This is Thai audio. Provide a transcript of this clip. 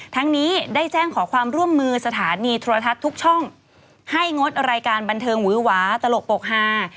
ทั้งนี้ได้แจ้งขอความร่วมมือสถานีโทรทัศน์ทุกช่องให้งดรายการบันเทิงหวือหวาตลกปกฮา